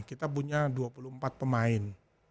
kita punya dua puluh empat pemain